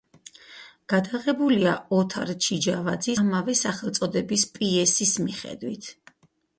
გადაღებულია ოთარ ჩიჯავაძის ამავე სახელწოდების პიესის მიხედვით.